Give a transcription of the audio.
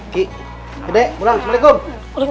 ki gede mulang assalamualaikum